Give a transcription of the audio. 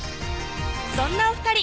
そんなお２人